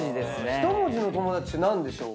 一文字の友達って何でしょう？